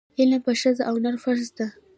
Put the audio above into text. علم په ښځه او نر فرض ده.